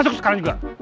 masuk sekarang juga